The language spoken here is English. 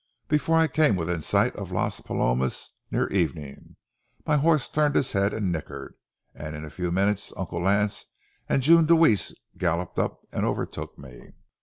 Before I came within sight of Las Palomas near evening, my horse turned his head and nickered, and in a few minutes Uncle Lance and June Deweese galloped up and overtook me.